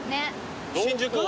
新宿？